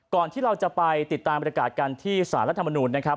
ก่อนที่เราจะไปติดตามบริการการที่สารรัฐมนุนนะครับ